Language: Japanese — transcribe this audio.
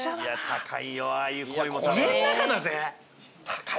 高いよああいう鯉も多分。